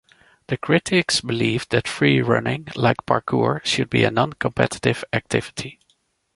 The critics believed that freerunning, like parkour, should be a non-competitive activity.